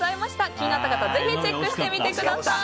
気になった方はぜひチェックしてみてください。